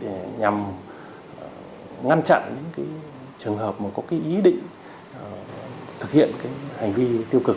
để nhằm ngăn chặn những trường hợp mà có cái ý định thực hiện cái hành vi tiêu cực